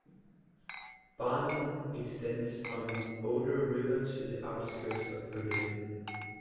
Barnim extends from the Oder River to the outskirts of Berlin.